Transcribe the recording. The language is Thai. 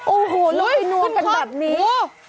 โอ้โฮแล้วพี่นัวเป็นแบบนี้